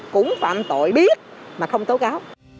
cũng phạm tội biết mà không tố gáo